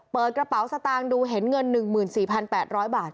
เปิดกระเป๋าสตางค์ดูเห็นเงิน๑๔๘๐๐บาท